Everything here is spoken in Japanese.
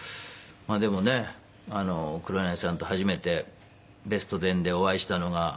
でもね黒柳さんと初めて『ベストテン』でお会いしたのが１９で。